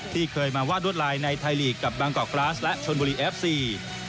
ที่เคยมาวาดรวดลายในไทยลีกกับบางกอกกราสและชนบุรีเอฟซี